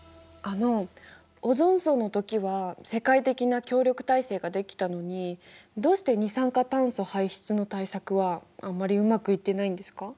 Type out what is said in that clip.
あのオゾン層の時は世界的な協力体制ができたのにどうして二酸化炭素排出の対策はあんまりうまくいってないんですか？